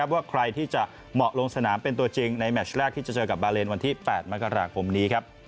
ว่าใครที่จะเหมาะลงสนามเป็นตัวจริงในแมชแรกที่จะเจอกับบาเลนวันที่๘มกราคมนี้ครับ